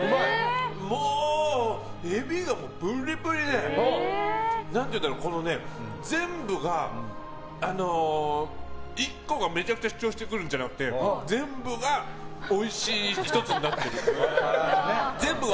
もうエビがブッリブリで１個がめちゃくちゃ主張してくるんじゃなくて全部がおいしい１つになってる。